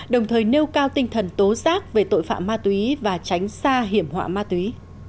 đồng thời nêu cao tinh thần tố giác về tội phạm ma túy và tránh xa hiểm họa ma túy